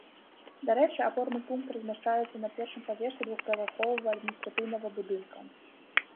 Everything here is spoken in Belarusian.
Дарэчы, апорны пункт размяшчаецца на першым паверсе двухпавярховага адміністрацыйнага будынка.